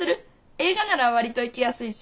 映画なら割と行きやすいし。